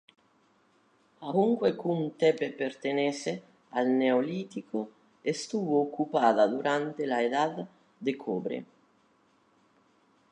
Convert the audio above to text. Aunque Kum Tepe pertenece al Neolítico, estuvo ocupada durante la Edad de Cobre.